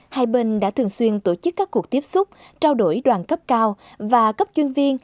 hai bên đã thường xuyên tổ chức các cuộc tiếp xúc trao đổi đoàn cấp cao và cấp chuyên viên